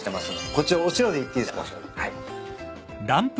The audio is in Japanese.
こちらお塩でいっていいっすか？